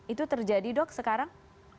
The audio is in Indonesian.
itu terjadi dok sekarang